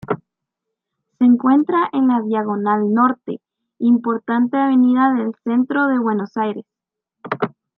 Se encuentra en la Diagonal Norte, importante avenida del centro de Buenos Aires.